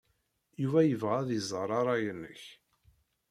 Yuba yebɣa ad iẓer ṛṛay-nnek.